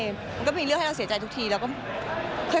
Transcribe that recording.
มันก็เป็นเรื่องจะให้เราเสียใจทุกทีแล้วก็